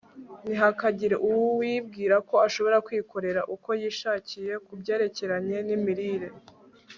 ntihakagire uwibwira ko ashobora kwikorera uko yishakiye ku byerekeranye n'imirire